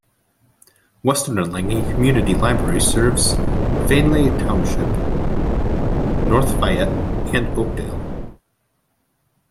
Western Allegheny Community Library serves Findlay Township, North Fayette, and Oakdale.